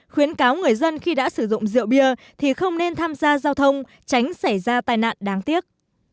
khuyến cáo người dân khi đã sử dụng rượu bia thì không nên tham gia giao thông tránh xảy ra tai nạn đáng tiếc